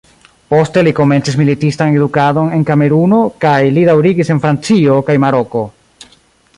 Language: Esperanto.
Poste li komencis militistan edukadon en Kameruno kaj li daŭrigis en Francio kaj Maroko.